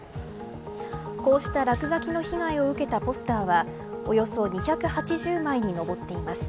こうした落書きに被害を受けたポスターはおよそ２８０枚に上っています。